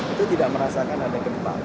itu tidak merasakan ada gempa